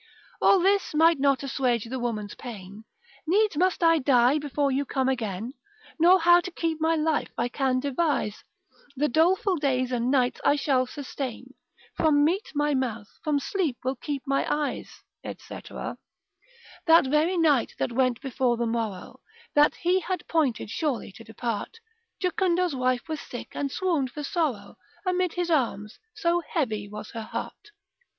All this might not assuage the woman's pain, Needs must I die before you come again, Nor how to keep my life I can devise, The doleful days and nights I shall sustain, From meat my mouth, from sleep will keep mine eyes, &c. That very night that went before the morrow, That he had pointed surely to depart, Jocundo's wife was sick, and swoon'd for sorrow Amid his arms, so heavy was her heart.